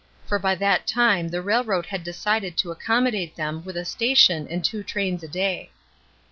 For by that time the railroad had decided to accommodate them with a station and two trains a day.